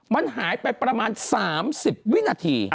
มันหายไปประมาณ๓๐วินาที